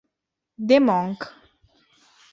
The Monk